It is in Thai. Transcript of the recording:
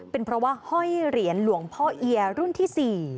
เป็นเพราะว่าห้อยเหรียญหลวงพ่อเอียรุ่นที่๔